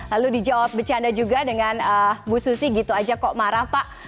lalu dijawab bercanda juga dengan bu susi gitu aja kok marah pak